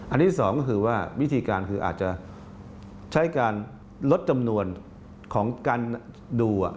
อันนี้สองก็คือว่าวิธีการคืออาจจะใช้การลดจำนวนของการดู